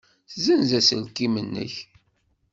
Ssenz aselkim-nnek.